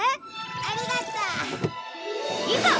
ありがとう。いざ！